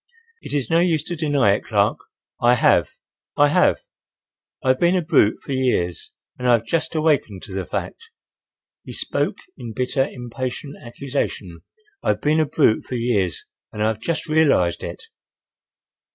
"It is no use to deny it, Clark,—I have—I have!—I have been a brute for years and I have just awakened to the fact!" He spoke in bitter, impatient accusation. "I have been a brute for years and I have just realized it."